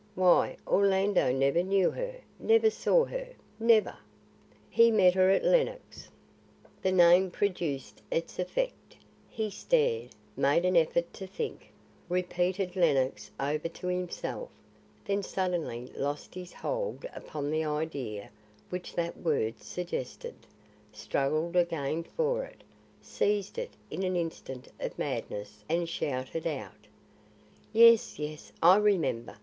"Why Orlando never knew her, never saw her, never " "He met her at Lenox." The name produced its effect. He stared, made an effort to think, repeated Lenox over to himself; then suddenly lost his hold upon the idea which that word suggested, struggled again for it, seized it in an instant of madness and shouted out: "Yes, yes, I remember.